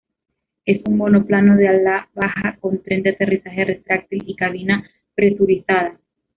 Es un monoplano de ala baja con tren de aterrizaje retráctil y cabina presurizada.